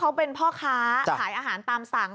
เขาเป็นพ่อค้าขายอาหารตามสั่ง